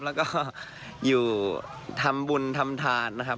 แล้วก็อยู่ทำบุญทำทานนะครับ